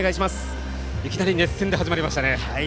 いきなり熱戦で始まりましたね。